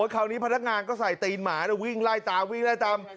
คราวนี้พนักงานก็ใส่ตีนหมาวิ่งไล่ตามวิ่งไล่ตาม